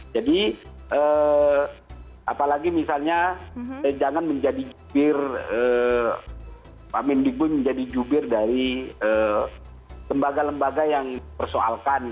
jadi apalagi misalnya jangan menjadi jubir dari lembaga lembaga yang dipersoalkan